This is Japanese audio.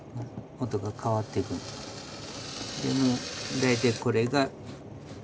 大体これが。